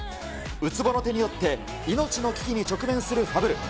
宇津帆の手によって命の危機に直面するファブル。